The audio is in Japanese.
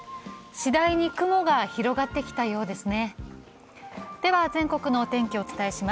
次第に雲が広がってきたようですね。